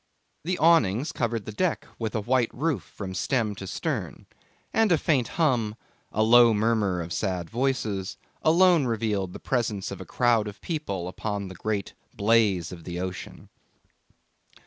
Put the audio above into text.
The awnings covered the deck with a white roof from stem to stern, and a faint hum, a low murmur of sad voices, alone revealed the presence of a crowd of people upon the great blaze of the ocean.